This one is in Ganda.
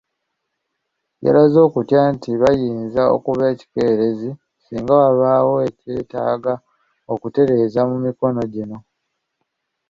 Yalaze okutya nti bayinza okuba ekikeerezi singa wabaawo ekyetaaga okutereeza mu mikono gino.